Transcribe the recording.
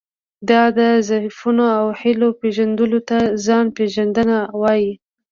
دا د ضعفونو او هیلو پېژندلو ته ځان پېژندنه وایي.